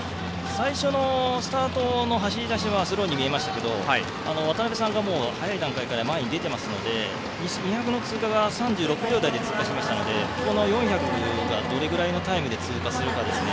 最初のスタートの走り出しはスローに見えましたが渡邊さんが早い段階から前に出ていますので２００ｍの通過を３６秒台で通過しましたのでここの４００がどれぐらいのタイムで通過するかですね。